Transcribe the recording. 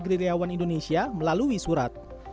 gerilyawan indonesia melalui surat